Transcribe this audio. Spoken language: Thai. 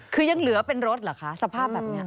คือยังเหลือเป็นรถเหรอคะสภาพแบบนี้